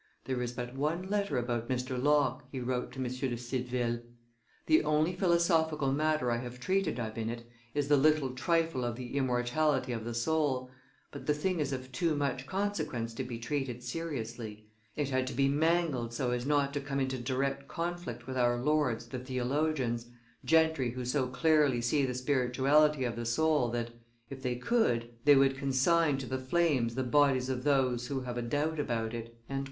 "There is but one letter about Mr. Locke," he wrote to M. de Cideville; "the only philosophical matter I have treated of in it is the little trifle of the immortality of the soul, but the thing is of too much consequence to be treated seriously. It had to be mangled so as not to come into direct conflict with our lords the theologians, gentry who so clearly see the spirituality of the soul that, if they could, they would consign to the flames the bodies of those who have a doubt about it."